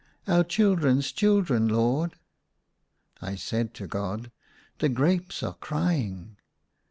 " Our children's children, Lord." I said to God, " The grapes are crying